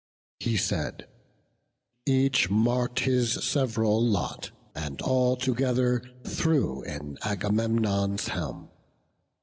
He said: each mark'd his sev'ral lot, and all Together threw in Agamemnon's helm.